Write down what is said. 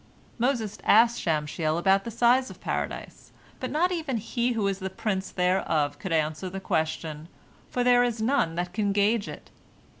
Moses asked Shamshiel about the size of Paradise, but not even he who is the prince thereof could answer the question, for there is none that can gauge it.